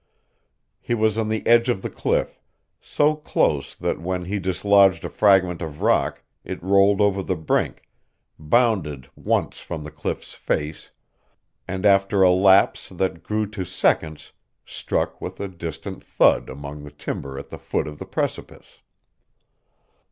He was on the edge of the cliff, so close that when he dislodged a fragment of rock it rolled over the brink, bounded once from the cliff's face, and after a lapse that grew to seconds struck with a distant thud among the timber at the foot of the precipice.